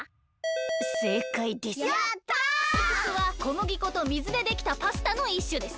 クスクスはこむぎ粉と水でできたパスタのいっしゅです。